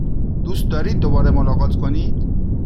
دوست دارید دوباره ملاقات کنید؟